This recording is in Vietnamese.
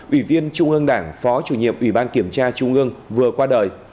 ủy viên trung ương đảng phó chủ nhiệm ủy ban kiểm tra trung ương vừa qua đời